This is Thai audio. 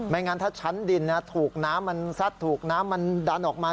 งั้นถ้าชั้นดินถูกน้ำมันซัดถูกน้ำมันดันออกมา